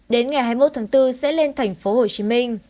đến ngày hai mươi một tháng bốn sẽ lên thành phố hồ chí minh